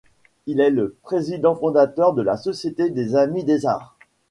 Il est le président fondateur de la Société des Amis des Arts.